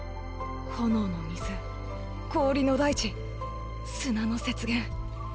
炎の水氷の大地砂の雪原。